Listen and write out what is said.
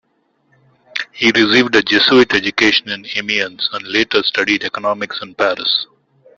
He received a Jesuit education in Amiens and later studied economics in Paris.